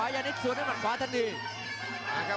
ยานิสต์สูดให้มันขวาทันดี